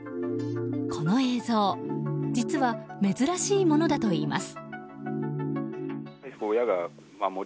この映像実は珍しいものだといいます。